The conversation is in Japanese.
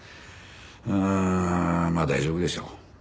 うーんまあ大丈夫でしょう。